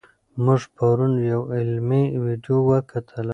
موږ پرون یوه علمي ویډیو وکتله.